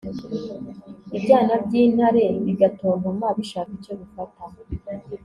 ibyana by'intare bigatontoma bishaka icyo bifata